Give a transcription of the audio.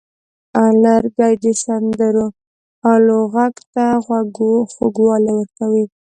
لرګی د سندرو آلو غږ ته خوږوالی ورکوي.